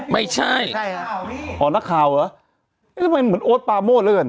ไม่ใช่ไม่ใช่ฮะอ๋อนักข่าวนี่อ๋อนักข่าวเหรอเอ๊ะทำไมเหมือนโอ๊ดปาโมดหรือ